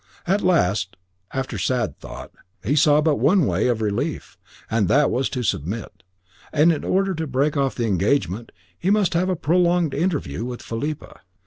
At last, after sad thought, he saw but one way of relief, and that was to submit. And in order to break off the engagement he must have a prolonged interview with Philippa.